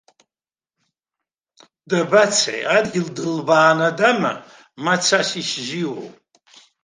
Дабацеи, адгьыл дылбаанадама, ма цас исзиуоу?!